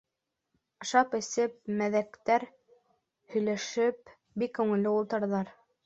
Ашап-эсеп, мәҙәктәр һөйләшеп бик күңелле ултыралар.